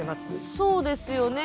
そうですよね。